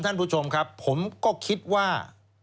ท่านผู้ชมครับผมก็คิดว่า